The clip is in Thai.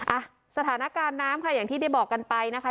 อ่ะสถานการณ์น้ำค่ะอย่างที่ได้บอกกันไปนะคะ